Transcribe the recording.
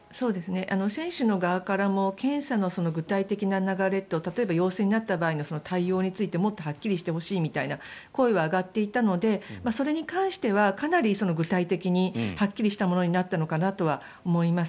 選手の側からも検査の具体的な流れと例えば陽性になった場合の対応についてもっとはっきりしてほしいという声は上がっていたのでそれに関してはかなり具体的にはっきりしたものになったのかなとは思います。